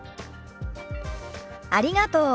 ありがとう。